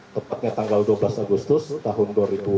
tepatnya tanggal dua belas agustus tahun dua ribu dua puluh